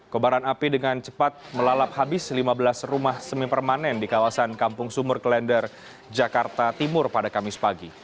kobaran api dengan cepat melalap habis lima belas rumah semi permanen di kawasan kampung sumur klender jakarta timur pada kamis pagi